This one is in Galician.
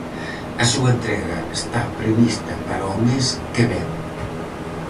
A súa entrega está prevista para o mes que vén.